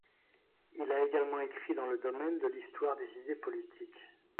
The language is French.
Il a également écrit dans le domaine de l’histoire des idées politiques.